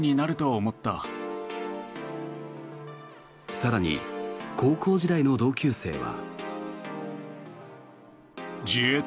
更に、高校時代の同級生は。